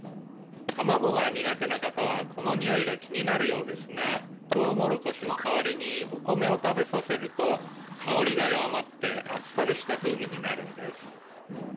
「たまごが苦手な方はこのにおいが気になるようですがトウモロコシの代わりにお米を食べさせると香りが弱まってあっさりした風味になるんです」